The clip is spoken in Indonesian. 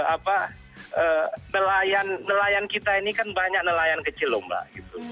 apa nelayan kita ini kan banyak nelayan kecil lho mbak